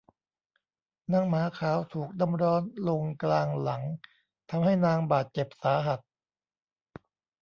นางหมาขาวถูกน้ำร้อนลงกลางหลังทำให้นางบาดเจ็บสาหัส